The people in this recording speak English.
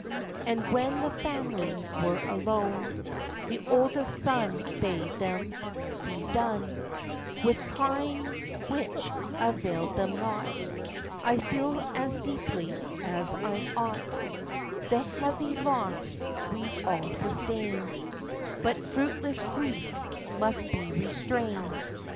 And when the family were alone, The oldest son bade them be done With crying, which availed them nought. "I feel as deeply as I ought The heavy loss we've all sustained; But fruitless grief must be restrained.